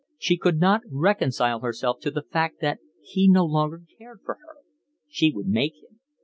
She could not reconcile herself to the fact that he no longer cared for her. She would make him.